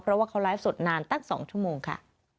เพราะว่าเขาไลฟ์สดนานตั้ง๒ชั่วโมงค่ะ